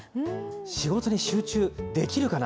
仕事に集中できるかな？